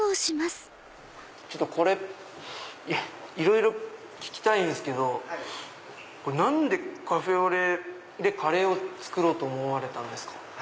これいろいろ聞きたいんすけど何でカフェオレでカレーを作ろうと思われたんですか？